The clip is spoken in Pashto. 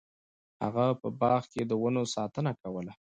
هغه په باغ کې د ونو ساتنه کوله.